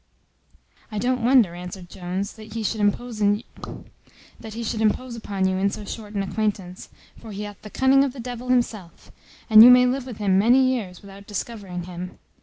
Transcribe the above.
"I don't wonder," answered Jones, "that he should impose upon you in so short an acquaintance; for he hath the cunning of the devil himself, and you may live with him many years, without discovering him.